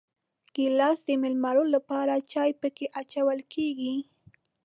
ګیلاس د مېلمنو لپاره چای پکې اچول کېږي.